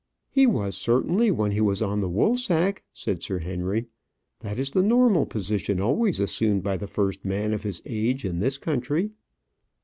"He was, certainly, when he was on the woolsack," said Sir Henry. "That is the normal position always assumed by the first man of his age in this country."